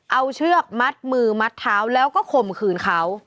เอาเชือกมัดมือมัดเท้าแล้วก็ข่มขืนเขา